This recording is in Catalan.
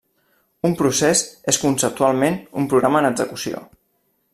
Un procés és conceptualment un programa en execució.